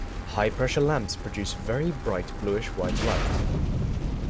High-pressure lamps produce very bright bluish white light.